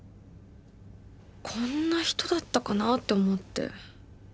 こんな人だったかなって思って。